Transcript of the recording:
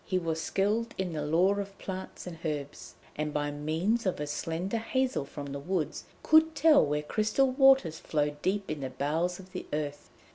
He was skilled in the lore of plants and herbs, and by means of a slender hazel from the woods could tell where crystal waters flowed deep in the bowels of the earth.